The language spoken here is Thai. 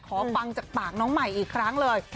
ฟังจากปากน้องใหม่อีกครั้งเลย